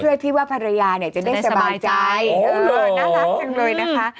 เพื่อที่ว่าภรรยาเนี่ยจะได้สบายใจน่ารักจังเลยนะคะ